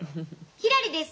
ひらりです！